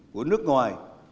của nước ngoài